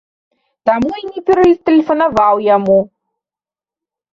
Таму і не ператэлефанаваў яму!